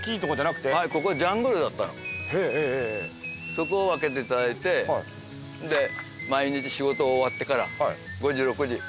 そこを分けていただいて毎日仕事が終わってから５時６時。